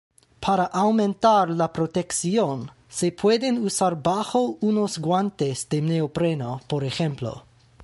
Para aumentar la protección, se pueden usar bajo unos guantes de neopreno, por ejemplo.